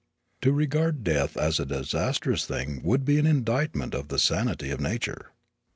To regard death as a disastrous thing would be an indictment of the sanity of nature.